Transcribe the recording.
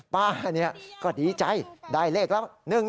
ป้าก็ดีใจได้เลขแล้ว